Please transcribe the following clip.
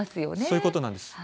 そういうことなんです。